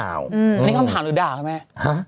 อันนี้คำถามหรือด่าใช่ไหม